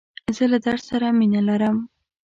زه له درس سره مینه لرم.